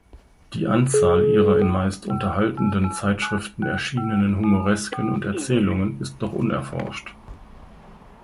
Die Anzahl ihrer in meist unterhaltenden Zeitschriften erschienenen Humoresken und Erzählungen ist noch unerforscht.